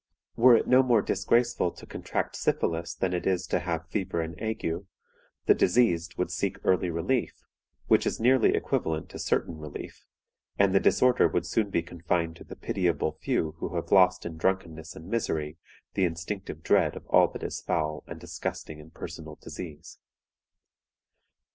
Were it no more disgraceful to contract syphilis than it is to have fever and ague, the diseased would seek early relief, which is nearly equivalent to certain relief, and the disorder would soon be confined to the pitiable few who have lost in drunkenness and misery the instinctive dread of all that is foul and disgusting in personal disease.